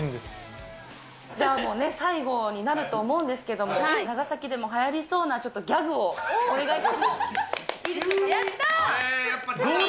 じゃあもうね、最後になると思うんですけれども、長崎でもはやりそうなちょっとギャグを、やったー。